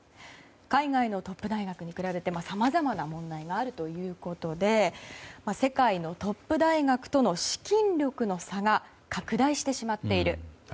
海外のトップ大学に比べてさまざまな問題があるということで世界のトップ大学との資金力の差が拡大してしまっている。